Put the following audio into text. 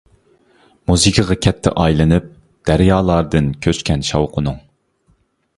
مۇزىكىغا كەتتى ئايلىنىپ، دەريالاردىن كۆچكەن شاۋقۇنۇڭ.